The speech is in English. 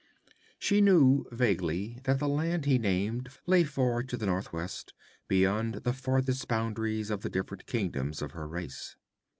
She knew vaguely that the land he named lay far to the northwest, beyond the farthest boundaries of the different kingdoms of her race.